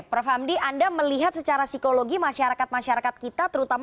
prof hamdi anda melihat secara psikologi masyarakat masyarakat kita terutama